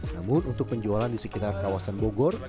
namun untuk penjualan di sekitar kawasan bogor